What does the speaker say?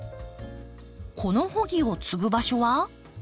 この穂木を接ぐ場所は。